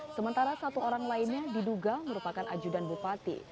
sementara satu orang lainnya diduga merupakan ajudan bupati